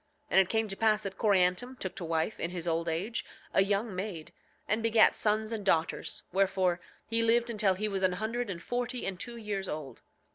And it came to pass that Coriantum took to wife, in his old age, a young maid, and begat sons and daughters; wherefore he lived until he was an hundred and forty and two years old.